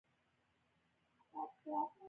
د ځینو لګښتونه سعودي چارواکي په غاړه اخلي.